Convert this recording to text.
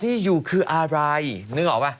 พี่คนนึงแหละน่าจะถ่ายรูปเยอะเลยละค่ะ